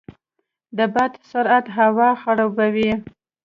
د باد سرعت هوا خړوبوي.